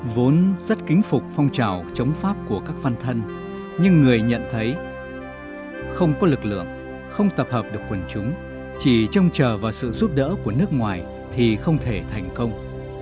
vốn rất kính phục phong trào chống pháp của các văn thân nhưng người nhận thấy không có lực lượng không tập hợp được quần chúng chỉ trông chờ vào sự giúp đỡ của nước ngoài thì không thể thành công